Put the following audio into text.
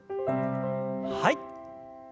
はい。